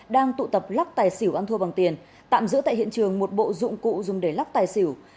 đang tụ tập lắc tài xỉu ăn thua bằng tiền tạm giữ tại hiện trường một bộ dụng cụ dùng để lắc tài xỉu